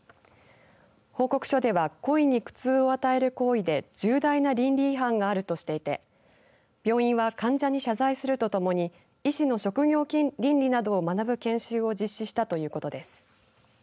報告書では故意に苦痛を与える行為で重大な倫理違反があるとしていて病院は患者に謝罪するとともに医師の職業倫理などを学ぶ研修を実施したということです。